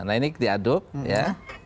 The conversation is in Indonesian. nah ini diaduk ya